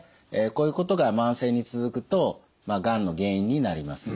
こういうことが慢性に続くとがんの原因になります。